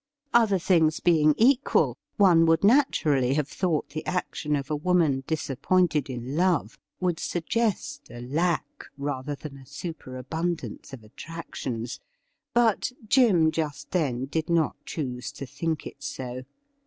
Other things being equal, one would naturally have thought the action of a woman disappointed in love wotild suggest a lack rather than a superabundance of attractions. But Jim just then did not choose to think it so.